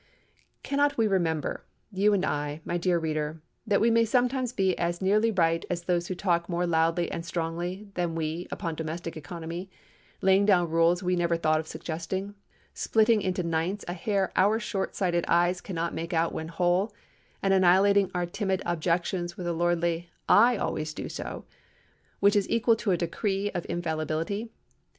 Cannot we remember—you and I, my dear reader—that we may sometimes be as nearly right as those who talk more loudly and strongly than we upon domestic economy, laying down rules we never thought of suggesting; splitting into ninths a hair our short sighted eyes cannot make out when whole, and annihilating our timid objections with a lordly "I always do so," which is equal to a decree of infallibility?